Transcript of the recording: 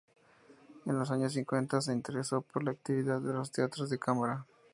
En los años cincuenta, se interesó por la actividad de los teatros de cámara.